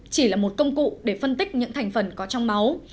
chỉ là một công cụ để phân tích những thành phần có trong máu